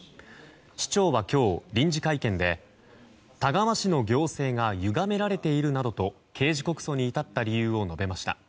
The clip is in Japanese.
市長は今日、臨時会見で田川市の行政がゆがめられているなどと刑事告訴に至った理由を述べました。